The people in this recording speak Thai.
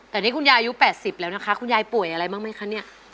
แต่นี่คุณยายอายุ๘๐แล้วนะคะคุณยายป่วยอะไรบ้างไหมคะเนี่ย